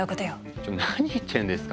ちょ何言ってんですか。